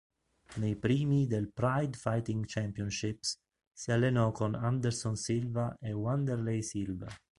Nei primi del Pride Fighting Championships si allenò con Anderson Silva e Wanderlei Silva.